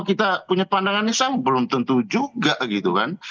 kita punya pandangan yang sama belum tentu juga gitu kan